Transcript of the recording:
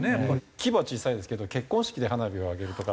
規模は小さいですけど結婚式で花火を上げるとか。